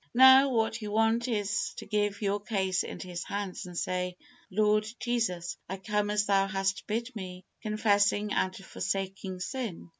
Now, what you want is to give your case into His hands, and say, "Lord Jesus, I come as Thou hast bid me, confessing and forsaking sin.